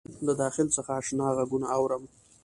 له داخل څخه آشنا غــــــــــږونه اورم